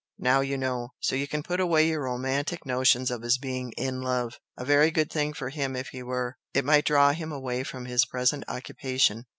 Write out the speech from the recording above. Now you know! So you can put away your romantic notions of his being 'in love'! A very good thing for him if he were! It might draw him away from his present occupation.